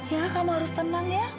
ya kamu harus tenang ya